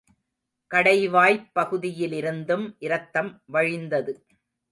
கடைவாய்ப் பகுதியிலிருந்தும் இரத்தம் வழிந்தது.